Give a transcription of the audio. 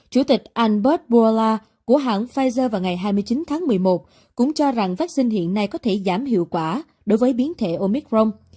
chủ tịch albert bola của hãng pfizer vào ngày hai mươi chín tháng một mươi một cũng cho rằng vaccine hiện nay có thể giảm hiệu quả đối với biến thể omicron